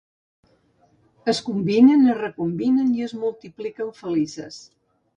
Es combinen, es recombinen i es multipliquen felices.